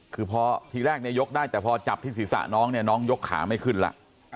คือที่แรกยกได้แต่พอจับที่ศีรษะน้องน้องยกขาไม่ขึ้นละ